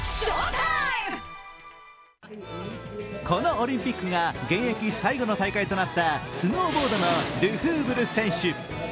このオリンピックが現役最後の大会となったスノーボードのルフーブル選手。